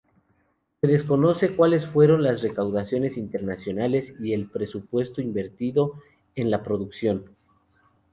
Se desconoce cuales fueron las recaudaciones internacionales y el presupuesto invertido en la producción.